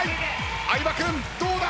相葉君どうだ！？